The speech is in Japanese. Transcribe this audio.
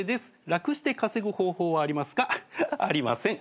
「楽して稼ぐ方法はありますか？」ありません。